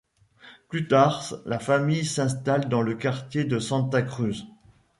Plus tard, la famille s'installe dans le quartier de Santa Cruz.